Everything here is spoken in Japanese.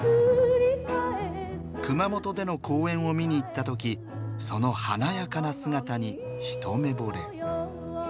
熊本での公演を見に行った時その華やかな姿に一目ぼれ。